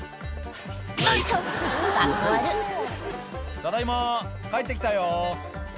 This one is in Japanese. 「ただいま帰って来たよ」